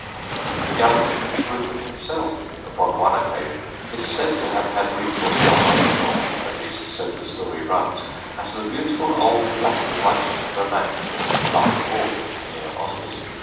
The gallant Prince Rupert himself, upon one occasion, is said to have had recourse to a hiding hole, at least so the story runs, at the beautiful old black and white timber mansion, Park Hall, near Oswestry.